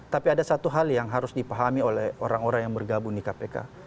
tapi ada satu hal yang harus dipahami oleh orang orang yang bergabung di kpk